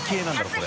これ。